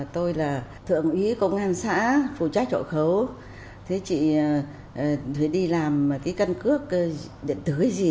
tôi là thượng uy công an xã phù trách trọ khấu thế chị phải đi làm cái cân cước điện tử cái gì